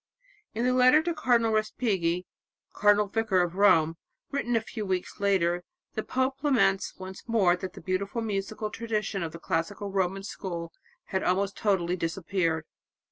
In the letter to Cardinal Respighi, cardinal vicar of Rome, written a few weeks later, the pope laments once more that the beautiful musical tradition of the classical Roman school had almost totally disappeared.